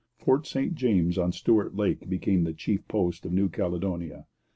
Fort St James on Stuart Lake became the chief post of New Caledonia.